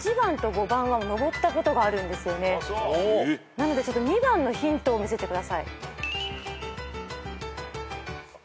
なので２番のヒントを見せてください。